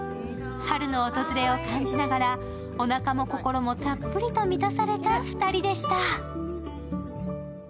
春の訪れを感じながらおなかも心もたっぷりと満たされた２人でした。